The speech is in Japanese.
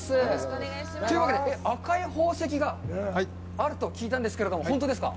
というわけで、“赤い宝石”があると聞いたんですけれども、本当ですか？